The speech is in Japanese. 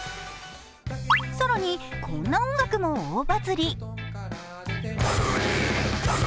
更に、こんな音楽も大バズり。